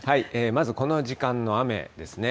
まずこの時間の雨ですね。